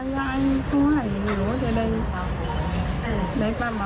ใส่ไม่คุย